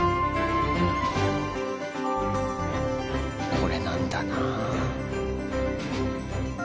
これなんだな。